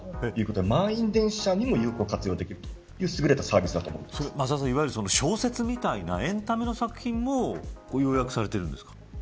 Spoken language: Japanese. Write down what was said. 満員電車にも有効活用できるという、すぐれたサービスだといわゆる小説みたいなエンタメの作品も要約されているんですか。